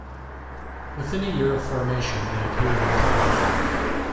Within a year of formation, they appeared on television.